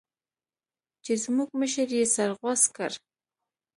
چې زموږ مشر يې سر غوڅ کړ.